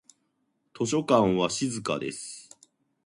図書館は静かです。